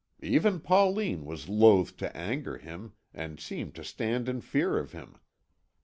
Even Pauline was loth to anger him, and seemed to stand in fear of him.